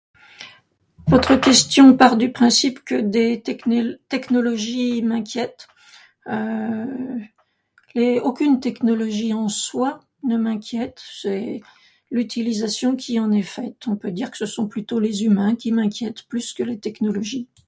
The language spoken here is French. Votre question part du principe que des technil technologies m'inquiètent, euh... mais aucune technologie en soi ne m'inquiète, c'est l'utilisation qui en est faite, on peut dire que ce sont plutôt les humains qui m'inquiètent, plus que les technologies.